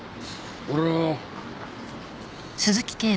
俺は。